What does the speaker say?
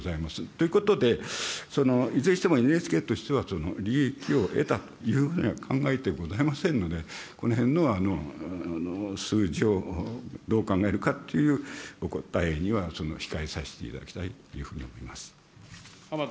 ということで、いずれにしてもＮＨＫとしては利益を得たというふうには考えてございませんので、このへんの数字をどう考えるかというお答えには控えさせていただきたいというふうに思います。